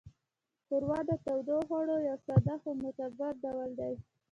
ښوروا د تودوخوړو یو ساده خو معتبر ډول دی.